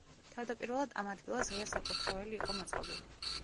თავდაპირველად ამ ადგილას ღია საკურთხეველი იყო მოწყობილი.